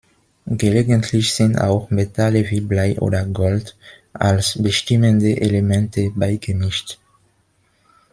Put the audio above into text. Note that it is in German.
Gelegentlich sind auch Metalle wie Blei oder Gold als bestimmende Elemente beigemischt.